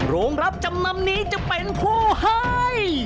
โรงรับจำนำนี้จะเป็นผู้ให้